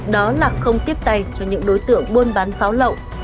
đó là không tiếp tay cho những đối tượng buôn bán pháo lậu